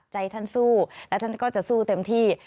ใจท่านสู้และท่านก็จะสู้เต็มที่